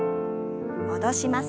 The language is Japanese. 戻します。